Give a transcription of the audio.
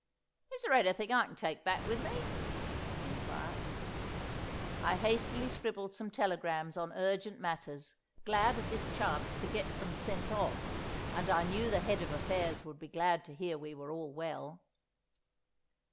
"Is there anything I can take back with me?" he inquired. I hastily scribbled some telegrams on urgent matters, glad of this chance to get them sent off; and I knew the Head of Affairs would be glad to hear we were all well.